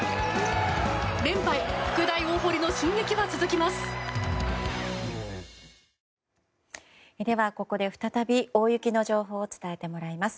連覇へ福大大濠の進撃は続きます。